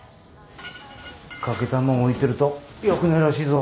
欠けたもん置いてるとよくないらしいぞ。